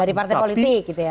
dari partai politik gitu ya